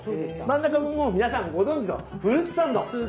真ん中はもう皆さんご存じのフルーツサンド！